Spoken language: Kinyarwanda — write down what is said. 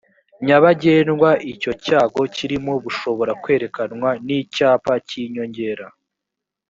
nyabagendwa icyo cyago kirimo bushobora kwerekanwa n icyapa cy inyongera